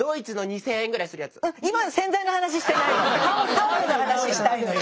タオルの話したいのよ